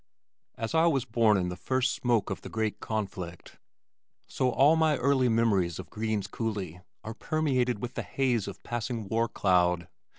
As I was born in the first smoke of the great conflict, so all of my early memories of Green's coulee are permeated with the haze of the passing war cloud.